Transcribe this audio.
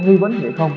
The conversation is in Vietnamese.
thì sẽ lộn